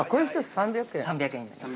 ◆３００円です。